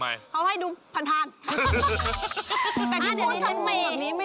เพราะว่าให้ดูพันธุ์พันธุ์